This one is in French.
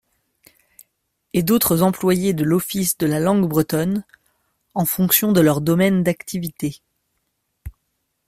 Et d’autres employés de l’Office de la Langue Bretonne, en fonction de leur domaine d’activité.